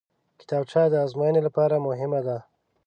کتابچه د ازموینې لپاره مهمه ده